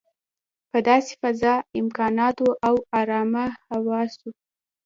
په داسې فضا، امکاناتو او ارامه حواسو.